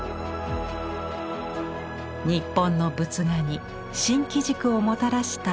日本の仏画に新機軸をもたらした「五百羅漢図」。